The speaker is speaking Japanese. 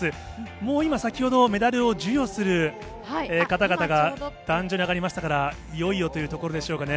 もう今、先ほどメダルを授与する方々が壇上に上がりましたから、いよいよというところでしょうかね。